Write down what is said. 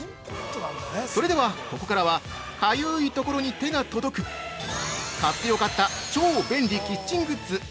それでは、ここからは、かゆいところに手が届く、買ってよかった超便利キッチングッズ